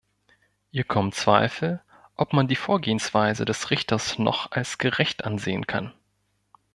Ihm kommen Zweifel, ob man die Vorgehensweise des Richters noch als gerecht ansehen kann.